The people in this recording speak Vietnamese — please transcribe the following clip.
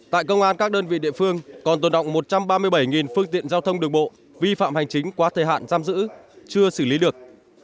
tại công an các đơn vị địa phương còn tồn động một trăm ba mươi bảy phương tiện giao thông đường bộ vi phạm hành chính quá thời hạn giam giữ chưa xử lý được